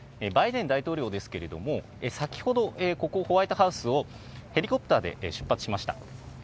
バイデン大統領ですけれども、先ほどここ、ホワイトハウスをヘリコプターで出発しました。